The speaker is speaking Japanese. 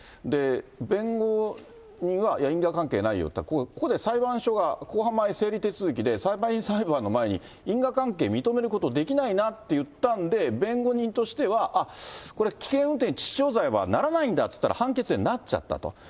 で、弁護人は因果関係ないよと、ここで裁判所が公判前整理手続きで、裁判員裁判の前に因果関係認めることできないなって言ったんで、弁護人としては、あっ、これは危険運転致死傷罪はならないんだと言ったら、判決でなっちゃったと。